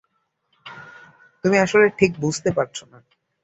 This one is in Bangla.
তুমি আসলে ঠিক বুঝতে পারছো না।